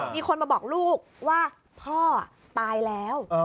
มีคนมาบอกลูกว่าพ่อตายแล้ว